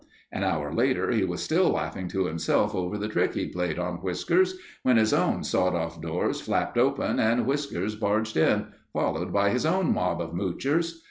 An hour later he was still laughing to himself over the trick he'd played on Whiskers when his own sawed off doors flapped open and Whiskers barged in, followed by his own mob of moochers.